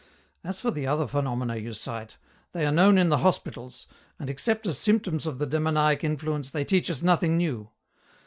As for the other phenomena you cite, they are known in the hospitals, and except as symptoms of the demoniac effluence they teach us nothing new.